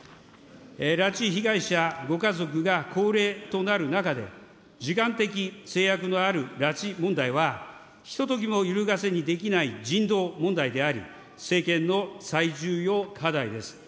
拉致被害者ご家族が高齢となる中で、時間的制約のある拉致問題は、ひとときもゆるがせにできない人道問題であり、政権の最重要課題です。